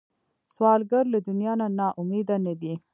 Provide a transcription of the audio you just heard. سوالګر له دنیا نه نا امیده نه دی